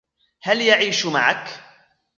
هل يعيش معك ؟